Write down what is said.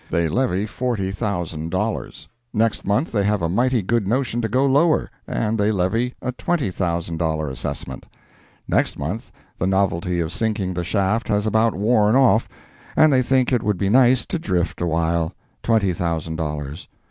They levy forty thousand dollars. Next month they have a mighty good notion to go lower, and they levy a twenty thousand dollar assessment. Next month, the novelty of sinking the shaft has about worn off, and they think it would be nice to drift a while—twenty thousand dollars.